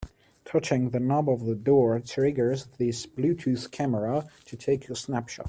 Touching the knob of the door triggers this Bluetooth camera to take a snapshot.